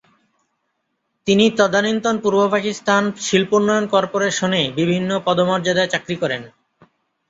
তিনি তদানীন্তন পূর্ব পাকিস্তান শিল্পোন্নয়ন কর্পোরেশনে বিভিন্ন পদমর্যাদায় চাকরি করেন।